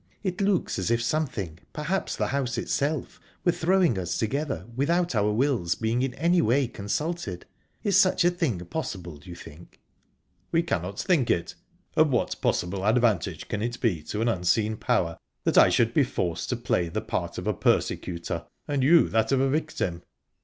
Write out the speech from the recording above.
It looks as if something perhaps the house itself were throwing us together, without our wills being in any way consulted...Is such a thing possible, do you think?" "We cannot think it of what possible advantage can it be to an unseen Power that I should be forced to play the part of a persecutor, and you that of a victim?"